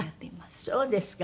あっそうですか。